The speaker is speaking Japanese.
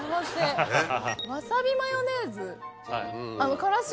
わさびマヨネーズ。